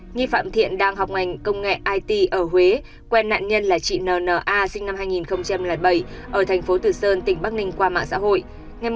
nhi phạm thiện đang học ngành công nghệ it ở huế quen nạn nhân là chị n n a sinh năm hai nghìn bảy ở thành phố tử sơn tỉnh bắc ninh qua mạng xã hội